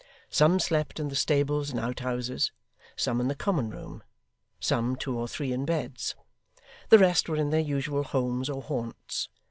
Some slept in the stable and outhouses, some in the common room, some two or three in beds. The rest were in their usual homes or haunts.